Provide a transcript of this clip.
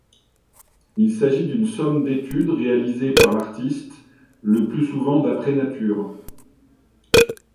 Il s'agit d'une somme d'études réalisées par l'Artiste, le plus souvent d'après nature.